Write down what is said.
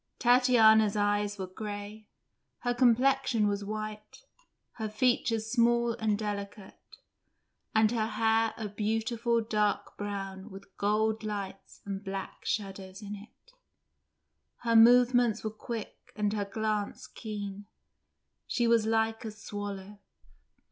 Tatiana's eyes were grey, her complexion was white, her features small and delicate, and her hair a beautiful dark brown with gold lights and black shadows in it; her movements were quick and her glance keen; she was like a swallow.